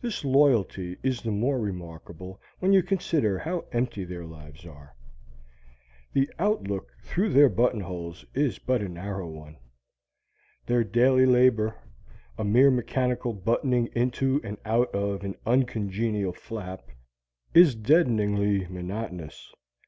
This loyalty is the more remarkable when you consider how empty their lives are. The outlook through their buttonholes is but a narrow one. Their daily labor, a mere mechanical buttoning into and out of an uncongenial flap, is deadeningly monotonous.